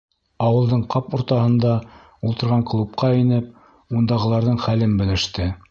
Ауылдың ҡап уртаһында ултырған клубҡа инеп, ундағыларҙың хәлен белеште.